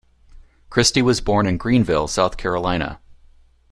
Christie was born in Greenville, South Carolina.